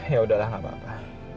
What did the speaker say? yaudahlah gak apa apa